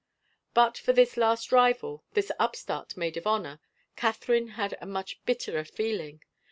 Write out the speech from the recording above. But for this last rival, this upstart maid of honor, 96 THE INSULT Catherine had a much bitterer feeling.